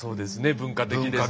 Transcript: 文化的です。